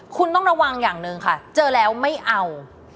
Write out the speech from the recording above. คุณต้องระวังอย่างหนึ่งค่ะเจอแล้วไม่เอา